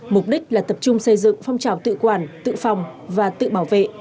mục đích là tập trung xây dựng phong trào tự quản tự phòng và tự bảo vệ